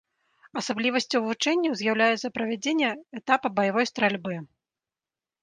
Асаблівасцю вучэнняў з'яўляецца правядзення этапа баявой стральбы.